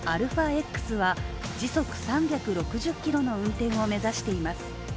ＡＬＦＡ−Ｘは時速３６０キロの運転を目指しています。